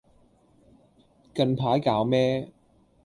近排搞咩